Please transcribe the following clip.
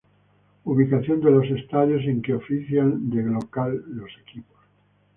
Ubicación de los estadios en que ofician de local los equipos